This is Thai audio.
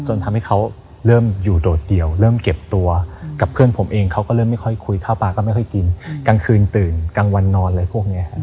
จนทำให้เขาเริ่มอยู่โดดเดี่ยวเริ่มเก็บตัวกับเพื่อนผมเองเขาก็เริ่มไม่ค่อยคุยข้าวปลาก็ไม่ค่อยกินกลางคืนตื่นกลางวันนอนอะไรพวกนี้